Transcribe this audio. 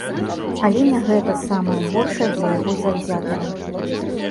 Але не гэта самае горшае для яго заўзятараў.